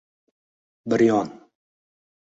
Bir yon